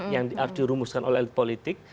yang diartirumuskan oleh politik